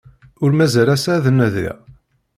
Ur mazal ass-a ad nadiɣ.